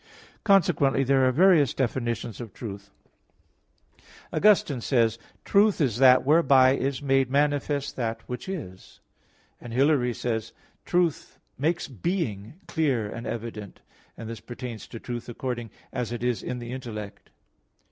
Consequently there are various definitions of truth. Augustine says (De Vera Relig. xxxvi), "Truth is that whereby is made manifest that which is;" and Hilary says (De Trin. v) that "Truth makes being clear and evident" and this pertains to truth according as it is in the intellect.